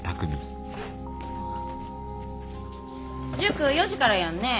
塾４時からやんね？